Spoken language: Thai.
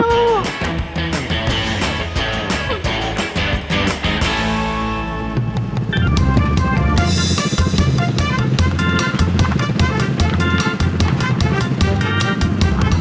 โอเคครับ